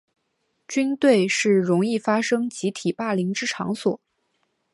军队是容易发生集体霸凌之场所。